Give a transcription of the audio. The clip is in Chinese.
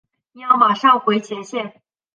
你要马上回前线。